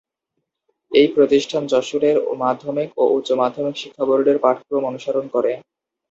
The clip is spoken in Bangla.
এই প্রতিষ্ঠান যশোরের মাধ্যমিক ও উচ্চ মাধ্যমিক শিক্ষা বোর্ডের পাঠক্রম অনুসরণ করে।